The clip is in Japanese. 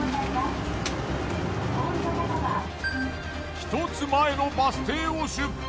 １つ前のバス停を出発。